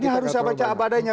ini harus saya baca apa adanya